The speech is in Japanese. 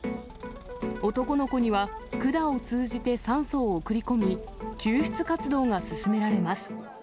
男の子には管を通じて酸素を送り込み、救出活動が進められます。